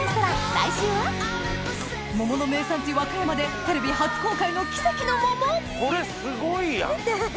桃の名産地和歌山でテレビ初公開の奇跡の桃これすごいやん。